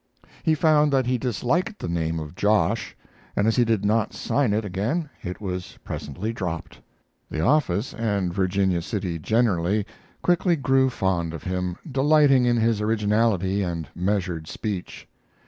He found that he disliked the name of Josh, and, as he did not sign it again, it was presently dropped. The office, and Virginia City generally, quickly grew fond of him, delighting in his originality and measured speech.